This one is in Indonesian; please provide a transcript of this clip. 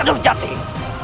kita bertarung di sini